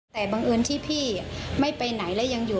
แต่บังเอิญที่พี่ไม่ไปไหนและยังอยู่